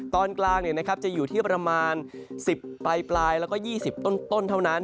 ตอนกลางจะอยู่ที่ประมาณ๑๐ปลายแล้วก็๒๐ต้นเท่านั้น